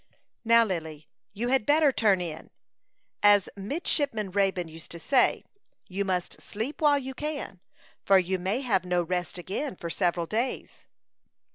"Now, Lily, you had better turn in, as Midshipman Raybone used to say. You must sleep while you can, for you may have no rest again for several days."